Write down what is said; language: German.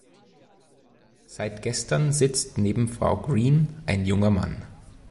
Seit gestern sitzt neben Frau Green ein junger Mann.